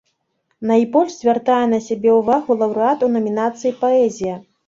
Найбольш звяртае на сябе ўвагу лаўрэат у намінацыі паэзія.